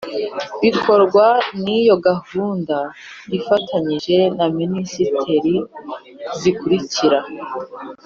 Bikorwa ry iyo gahunda ifatanyije na minisiteri zikurikira